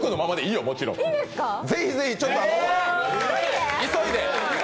ぜひぜひ、急いで。